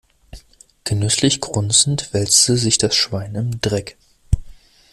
Genüsslich grunzend wälzte sich das Schwein im Dreck.